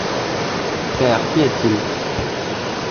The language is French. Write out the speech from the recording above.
Père, qu’y a-t-il?